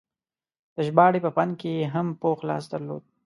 د ژباړې په فن کې یې هم پوخ لاس درلود.